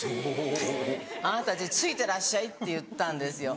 あなたたちついてらっしゃい」って言ったんですよ。